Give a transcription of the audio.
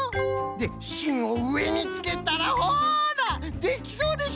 でしんをうえにつけたらほらできそうでしょうが！